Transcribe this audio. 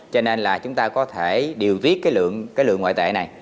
cho nên là chúng ta có thể điều tiết cái lượng ngoại tệ này